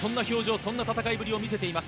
そんな戦いぶりを見せています。